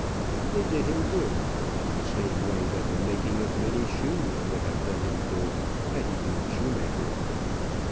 They did him good, in the same way that the making of many shoes would have done him good had he been a shoemaker.